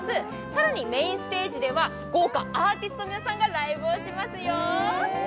更にメーンステージでは豪華アーティストの皆さんがライブをしますよ。